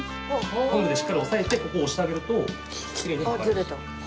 トングでしっかり押さえてここを押してあげるときれいに剥がれます。